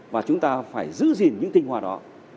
và chúng ta phải giữ gìn những tinh hoa đó